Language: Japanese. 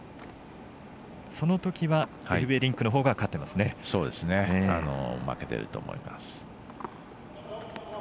そのときはエフベリンクのほうが負けてると思います。